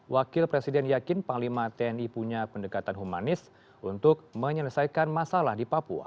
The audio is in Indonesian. wakil presiden yakin panglima tni punya pendekatan humanis untuk menyelesaikan masalah di papua